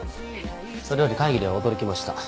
それより会議では驚きました。